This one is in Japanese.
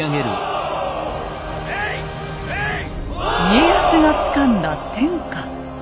家康がつかんだ天下。